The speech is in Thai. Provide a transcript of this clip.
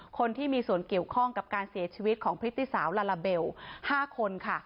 คนที่มีส่วนเกี่ยวข้องกับการเสียชีวิตของพฤติสาวลาลาเบล๕คนค่ะ